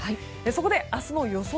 そこで、明日の予想